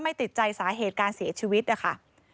ติดใจสาเหตุการเสียชีวิตนะคะ